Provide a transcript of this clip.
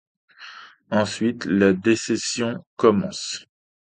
Ensuite, la dissection commence.